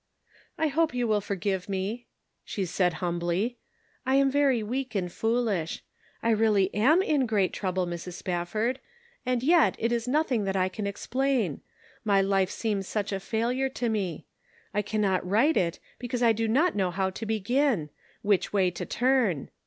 " I hope you will forgive me," she said hum bly ;" I am very weak and foolish. I really am in great trouble, Mrs. Spafford; and yet it is nothing that I can explain ; my life seems such a failure to me. I cannot right it, because I do not know how to begin — which way to turn.